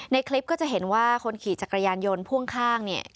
ในคลิปก็จะเห็นว่าคนขี่จักรยานยนต์พ่วงข้างเนี่ย